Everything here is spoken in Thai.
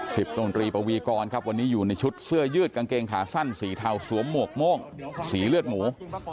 ตรงตรีปวีกรครับวันนี้อยู่ในชุดเสื้อยืดกางเกงขาสั้นสีเทาสวมหมวกโม่งสีเลือดหมู